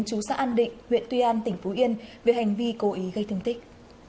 chú xã an định huyện tuy an tỉnh phú yên về hành vi cố ý gây thương tích